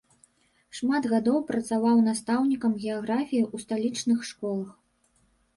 Шмат гадоў працаваў настаўнікам геаграфіі ў сталічных школах.